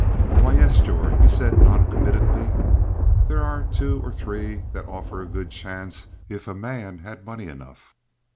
"Why, yes, George," he said, noncommittally, "there are two or three that offer a good chance if a man had money enough.